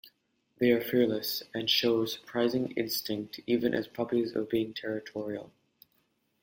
They are fearless and show a surprising instinct even as puppies of being territorial.